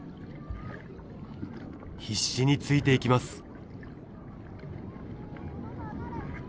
必死についていきます。